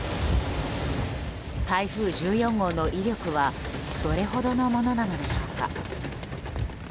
台風１４号の威力はどれほどのものなのでしょうか。